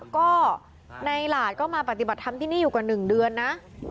ก็ในหลาดก็มาปฏิบัติธรรมที่นี่อยู่กว่า๑เดือนนะ